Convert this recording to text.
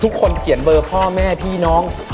ทุกคนเขียนเบอร์พ่อแม่พี่น้อง